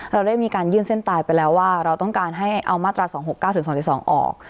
เราได้มีการยื่นเส้นตายไปแล้วว่าเราต้องการให้เอามาตรา๒๖๙๒๒ออก